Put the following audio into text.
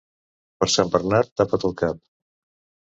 Per Sant Bernat, tapa't el cap.